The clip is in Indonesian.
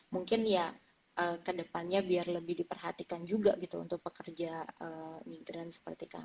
mungkin ya kedepannya biar lebih diperhatikan juga gitu untuk pekerja migran seperti kami